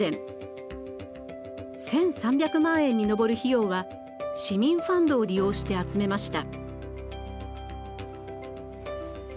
１，３００万円に上る費用は市民ファンドを利用して集めました。